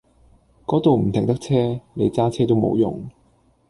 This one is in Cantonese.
嗰度唔停得車，你揸車都冇用